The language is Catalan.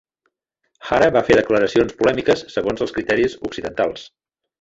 Hara va fer declaracions polèmiques segons els criteris occidentals.